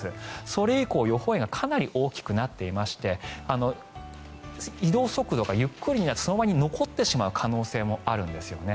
それ以降、予報円がかなり大きくなっていまして移動速度がゆっくりでその場に残ってしまう可能性もあるんですよね。